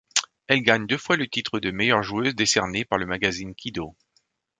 Elle gagne deux fois le titre de meilleure joueuse décerné par le magazine Kido.